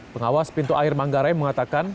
pengawas pintu air manggarai mengatakan